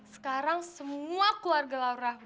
sekarang semua keluarga laura udah mampus